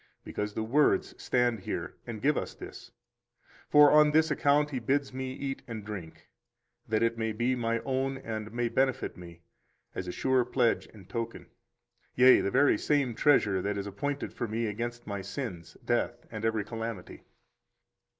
Because the words stand here and give us this; for on this account He bids me eat and drink, that it may be my own and may benefit me, as a sure pledge and token, yea, the very same treasure that is appointed for me against my sins, death, and every calamity.